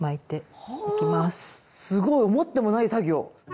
すごい思ってもない作業！